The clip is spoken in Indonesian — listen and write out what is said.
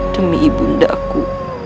demi ibu unda aku